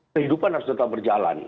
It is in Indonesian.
kehidupan harus tetap berjalan